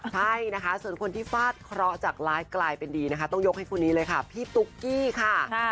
ใช่นะคะส่วนคนที่ฟาดเคราะห์จากไลฟ์กลายเป็นดีนะคะต้องยกให้คนนี้เลยค่ะพี่ตุ๊กกี้ค่ะ